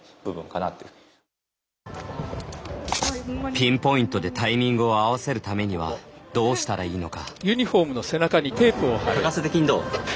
ピンポイントでタイミングを合わせるためにはどうしたらいいのか。